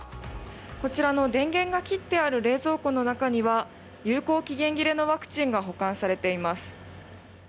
こちらの電源が切ってある冷蔵庫の中には有効期限切れのワクチンが保管されています。